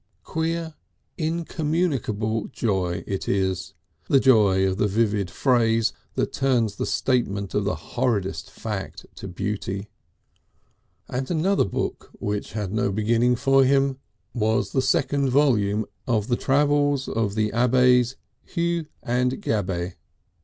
Queer incommunicable joy it is, the joy of the vivid phrase that turns the statement of the horridest fact to beauty! And another book which had no beginning for him was the second volume of the Travels of the Abbés Hue and Gabet.